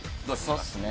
そうっすね